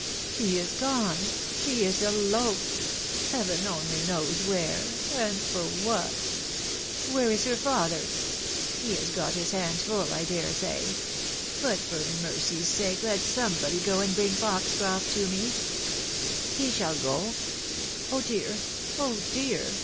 " She is gone ! She is eloped ! Heaven only knows where, and for what ! Where is her father ? He has got his hands full, I dare say. But for mercy's sake let somebody go and bring Foxcroft to me — ^he shall go Oh ! dear 1 Oh ! dear